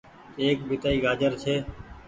ايڪ پيتآئي گآجر ڇي ۔